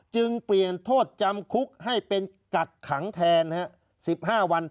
จึงเปลี่ยนโทษจำคุกให้เป็นกักขังแทน๑๕วัน